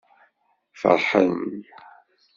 Feṛḥen.